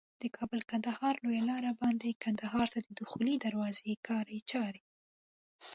د کابل کندهار لویه لار باندي کندهار ته د دخولي دروازي کاري چاري